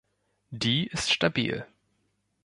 Die ist stabil.